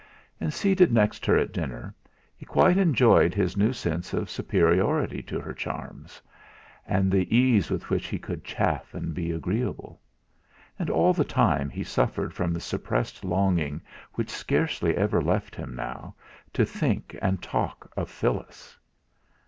And seated next her at dinner, he quite enjoyed his new sense of superiority to her charms, and the ease with which he could chaff and be agreeable. And all the time he suffered from the suppressed longing which scarcely ever left him now, to think and talk of Phyllis.